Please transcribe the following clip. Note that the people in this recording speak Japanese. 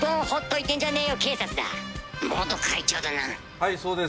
はいそうです。